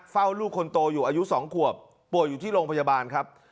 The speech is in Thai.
เฝ้าลูกคนโตอยู่อายุ๒ขวบป่วยอยู่ที่โรงพยาบาลครับ